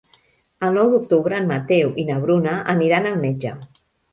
El nou d'octubre en Mateu i na Bruna aniran al metge.